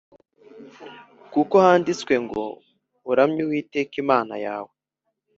kuko handitswe ngo ‘Uramye Uwiteka Imana yawe